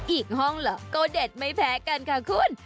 อีกห้องเหรอก็เด็ดไม่แพ้กันค่ะคุณ